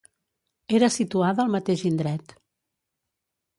Era situada al mateix indret.